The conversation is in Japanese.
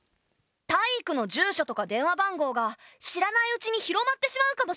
タイイクの住所とか電話番号が知らないうちに広まってしまうかもしれない。